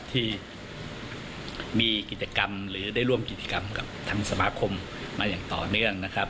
ที่มีกิจกรรมหรือได้ร่วมกิจกรรมกับทางสมาคมมาอย่างต่อเนื่องนะครับ